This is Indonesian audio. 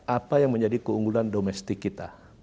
apa yang menjadi keunggulan domestik kita